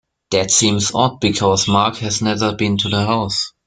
That seems odd because Mark has never been to the house.